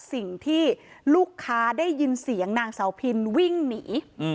สิ่งที่ลูกค้าได้ยินเสียงนางเสาพินวิ่งหนี